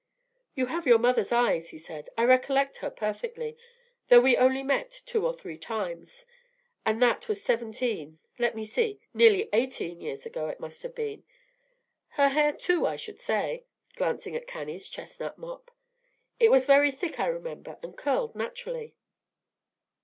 "You have your mother's eyes," he said. "I recollect her perfectly, though we only met two or three times, and that was seventeen let me see nearly eighteen years ago it must have been. Her hair, too, I should say," glancing at Cannie's chestnut mop; "it was very thick, I remember, and curled naturally."